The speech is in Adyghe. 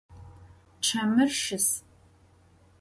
Çemır şıs.